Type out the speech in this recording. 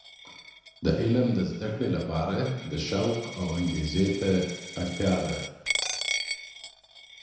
د علم د زده کړې لپاره د شوق او انګیزې ته اړتیا ده.